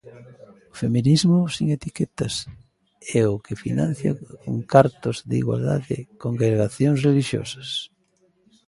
¿O feminismo sen etiquetas é o que financia con cartos de igualdade congregacións relixiosas?